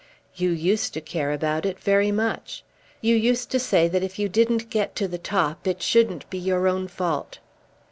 "You used to care about it, very much. You used to say that if you didn't get to the top it shouldn't be your own fault."